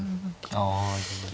ああ。